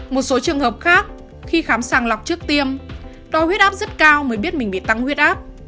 một số trường hợp khác khi khám sàng lọc trước tiêm đo huyết áp rất cao mới biết mình bị tăng huyết áp